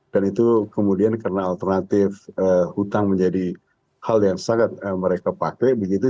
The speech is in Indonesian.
dan itu kemudian karena alternatif utang menjadi hal yang sangat mereka pakai begitu